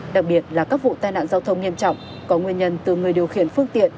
đặc biệt là các vụ tai nạn giao thông nghiêm trọng có nguyên nhân từ người điều khiển phương tiện